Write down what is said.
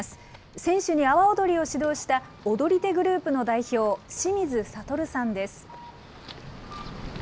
選手に阿波おどりを指導した踊り手グループの代表、清水理さんです。